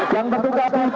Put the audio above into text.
yang bertugas di